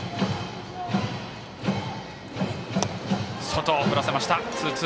外を振らせました。